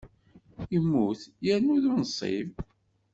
Immut yernu d unṣib.